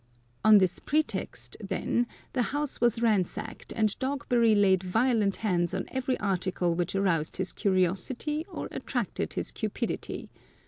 On this pretext, then, the house was ransacked, and Dogberry laid violent hands on every article which aroused his curiosity or attracted his cupidity.